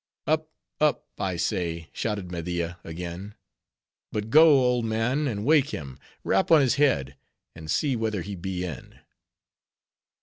"Up! up! I say," shouted Media again. "But go, old man, and wake him: rap on his head, and see whether he be in."